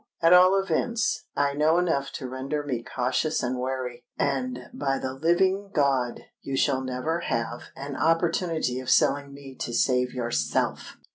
At all events, I know enough to render me cautious and wary; and, by the living God! you shall never have an opportunity of selling me to save yourself!"